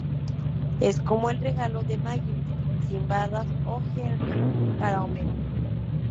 Es como el regalo de Maggie sin barras Oh Henry para Homero.